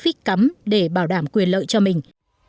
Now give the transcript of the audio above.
vít cắm để bảo đảm quyền lợi cho mình